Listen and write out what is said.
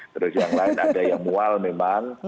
terus yang lain ada yang mual memang